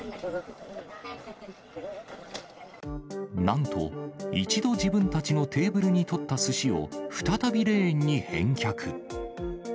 なんと、一度自分たちのテーブルに取ったすしを、再びレーンに返却。